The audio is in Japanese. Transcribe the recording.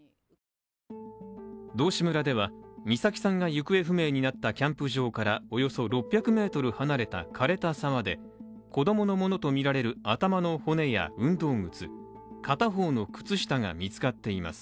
道志村では美咲さんが行方不明になったキャンプ場からおよそ６００ｍ離れたかれた沢で、子供のものとみられる頭の骨や運動靴と片方の靴下が見つかっています。